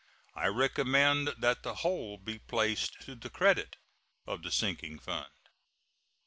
I recommend that the whole be placed to the credit of the sinking fund.